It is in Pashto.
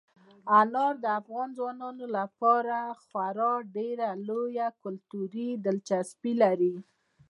انار د افغان ځوانانو لپاره خورا ډېره لویه کلتوري دلچسپي لري.